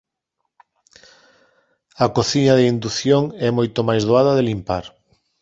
A cociña de indución é moito máis doada de limpar.